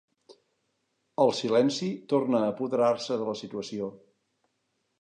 El silenci torna a apoderar-se de la situació.